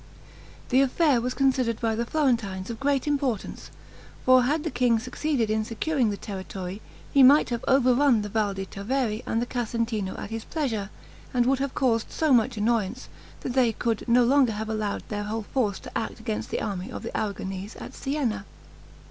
This affair was considered by the Florentines of great importance; for had the king succeeded in securing the territory, he might have overrun the Val di Tavere and the Casentino at his pleasure, and would have caused so much annoyance, that they could no longer have allowed their whole force to act against the army of the Aragonese at Sienna.